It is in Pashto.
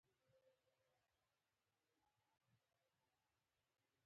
کاناډا د پلاستیک صنعت لري.